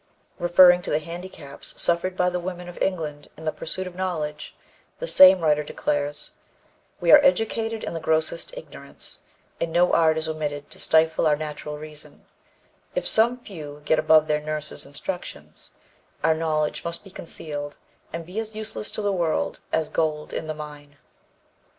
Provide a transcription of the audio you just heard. Referring to the handicaps suffered by the women of England in the pursuit of knowledge, the same writer declares: "We are educated in the grossest ignorance, and no art is omitted to stifle our natural reason; if some few get above their nurses' instructions, our knowledge must be concealed and be as useless to the world as gold in the mine."